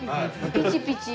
ピチピチ！